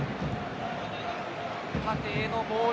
縦へのボール